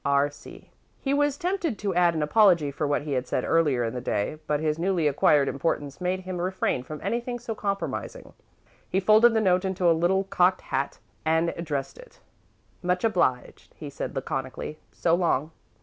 "R.C." He was tempted to add an apology for what he had said earlier in the day, but his newly acquired importance made him refrain from anything so compromising. He folded the note into a little cocked hat and addressed it. "Much obliged," he said, laconically. "So long."